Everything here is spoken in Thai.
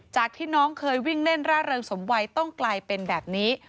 จากที่น้องเคยวิ่งเล่นร่าเริงสมวัยต้องกลายเป็นแบบนี้